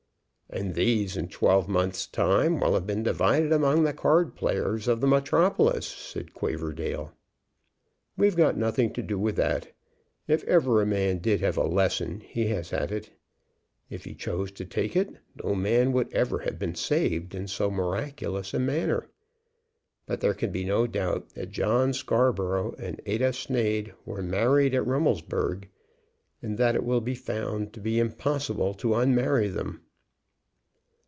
"And these, in twelve months' time, will have been divided among the card players of the metropolis," said Quaverdale. "We've got nothing to do with that. If ever a man did have a lesson he has had it. If he chose to take it, no man would ever have been saved in so miraculous a manner. But there can be no doubt that John Scarborough and Ada Sneyd were married at Rummelsburg, and that it will be found to be impossible to unmarry them."